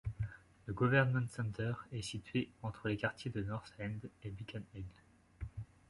Le Government Center est situé entre les quartiers de North End et Beacon Hill.